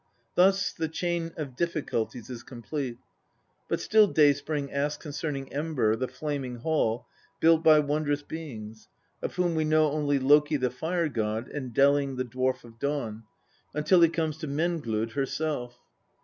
Thus the chain of difficulties is complete. But still Day spring asks concerning Ember, the flaming hall, built by wondrous beings (of whom we know only Loki the fire god and Delling the dwarf of dawn), until he comes to Menglod herself.